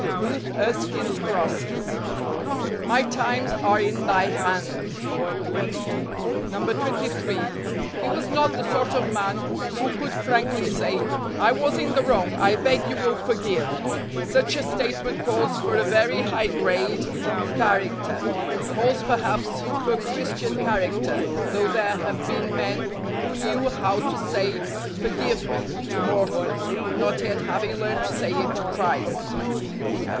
Ruth Erskine's Crosses. " My times are in thy hand." DECEMBER. 143 23. " He was not the sort of man who could frankly say, ' I was in the wrong, I beg you will forgive/ Such a statement calls for a very high grade of character; calls, perhaps, for Christian character; though there have been men who knew how to say 1 forgive me,' to mortals, not yet having learned to say it to Christ!